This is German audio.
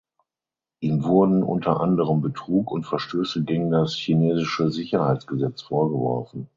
Ihm wurden unter anderem Betrug und Verstöße gegen das chinesische Sicherheitsgesetz vorgeworfen.